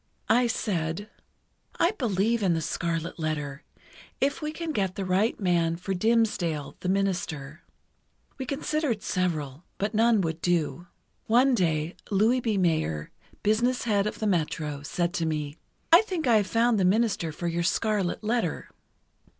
I said: "I believe in 'The Scarlet Letter,' if we can get the right man for Dimmesdale, the minister." We considered several, but none would do. "One day, Louis B. Mayer, business head of the Metro, said to me: 'I think I have found the minister for your "Scarlet Letter."